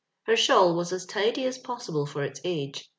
Her shawl was as tidy as possible far its age.